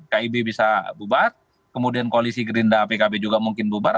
kib bisa bubar kemudian koalisi gerindra pkb juga mungkin bubar